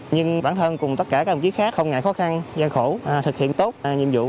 nhưng bản thân cùng tất cả các đồng chí khác không ngại khó khăn gian khổ thực hiện tốt nhiệm vụ